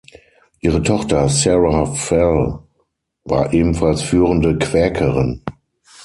Ihre Tochter Sarah Fell war ebenfalls führende Quäkerin.